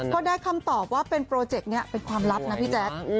ได้คำตอบว่าเป็นโปรเจกต์นี้เป็นความลับนะพี่แจ๊ค